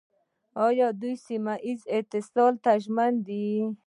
دوی سیمه ییز اتصال ته ژمن دي.